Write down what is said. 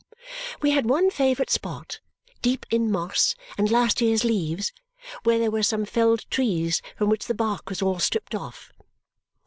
We had one favourite spot, deep in moss and last year's leaves, where there were some felled trees from which the bark was all stripped off.